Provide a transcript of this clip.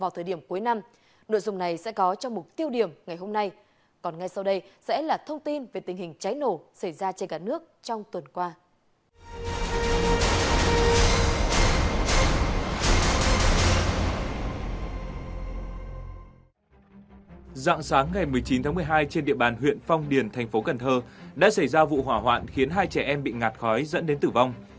từ sáng ngày một mươi chín tháng một mươi hai trên địa bàn huyện phong điền thành phố cần thơ đã xảy ra vụ hỏa hoạn khiến hai trẻ em bị ngạt khói dẫn đến tử vong